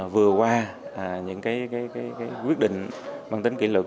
vừa qua những cái quyết định bằng tính kỷ lục